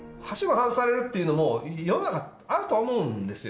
外されるっていうのも、世の中、あるとは思うんですよ。